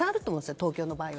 東京の場合は。